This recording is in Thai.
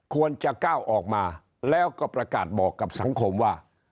ควรจะก้าวออกมาแล้วก็ประกาศบอกกับสังคมว่า